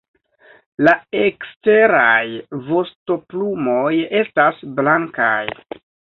La eksteraj vostoplumoj estas blankaj.